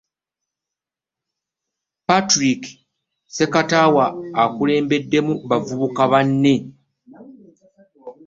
Patrick Ssekatawa, y'akulembeddemu bavubuka banne